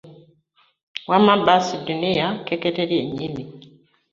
Wamma baasi dunia kekete ly'enyini .